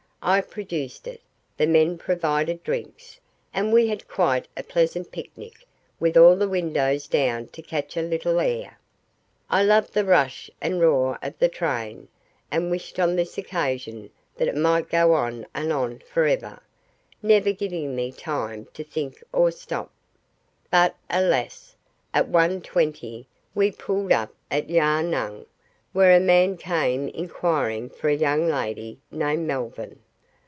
I produced it, the men provided drinks, and we had quite a pleasant picnic, with all the windows down to catch a little air. I love the rush and roar of the train, and wished on this occasion that it might go on and on for over, never giving me time to think or stop. But, alas, at 1.20 we pulled up at Yarnung, where a man came inquiring for a young lady named Melvyn.